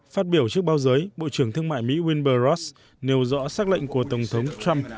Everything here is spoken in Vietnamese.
phát biểu trước báo giới bộ trưởng thương mại mỹ winbur ross nêu rõ xác lệnh của tổng thống trump